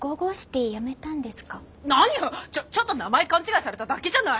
何よちょっと名前勘違いされただけじゃない！